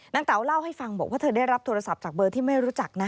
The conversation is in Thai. เต๋าเล่าให้ฟังบอกว่าเธอได้รับโทรศัพท์จากเบอร์ที่ไม่รู้จักนะ